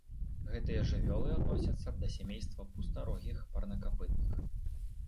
Гэтыя жывёлы адносяцца да сямейства пустарогіх парнакапытных.